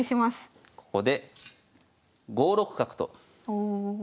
ここで５六角とおお。